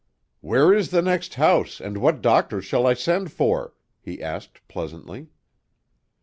"Where is the next house, and what doctor shall I send for?" he asked pleasantly.